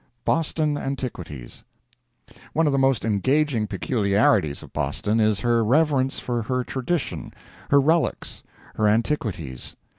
Boston Antiquities One of the most engaging peculiarities of Boston is her reverence for her tradition, her relics, her antiquities.